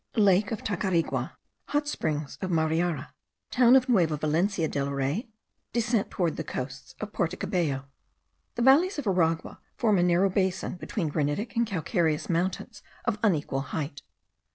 LAKE OF TACARIGUA. HOT SPRINGS OF MARIARA. TOWN OF NUEVA VALENCIA DEL REY. DESCENT TOWARDS THE COASTS OF PORTO CABELLO. The valleys of Aragua form a narrow basin between granitic and calcareous mountains of unequal height.